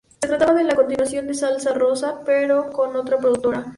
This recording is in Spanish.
Se trataba de la continuación de "Salsa rosa", pero con otra productora.